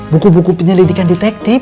buku buku penyelidikan detektif